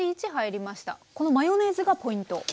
このマヨネーズがポイント？